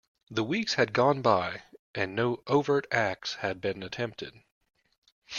The weeks had gone by, and no overt acts had been attempted.